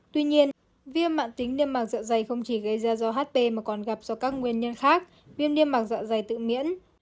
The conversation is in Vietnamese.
tuy nhiên viêm mạc tính niêm mạc dọa dày không chỉ gây ra do hp mà còn gặp do các nguyên nhân khác viêm niêm mạc dọa dày tự miễn